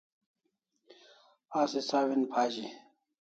Asi sawin phazi